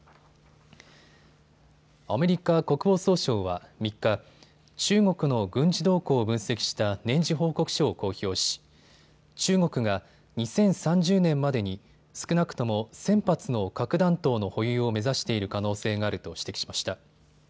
アメリカ国防総省は３日、中国の軍事動向を分析した年次報告書を公表し、中国が２０３０年までに少なくとも１０００発の核弾頭の保有を目指している可能性があると指摘しました。